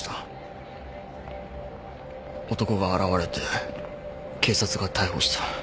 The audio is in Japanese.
男が現れて警察が逮捕した。